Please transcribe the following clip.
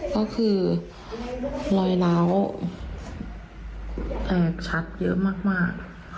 ก็คือรอยล้าวแตกชักเยอะมาก